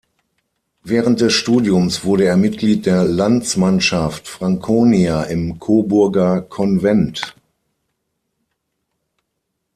Während des Studiums wurde er Mitglied der "Landsmannschaft Frankonia" im Coburger Convent.